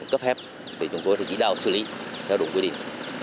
cấp phép để chúng tôi chỉ đào xử lý theo đúng quy định